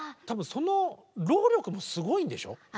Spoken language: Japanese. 多分その労力もすごいんでしょ？